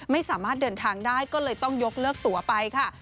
ไม่สามารถเดินทางได้ก็เลยต้องยกเลิกตัวไปค่ะ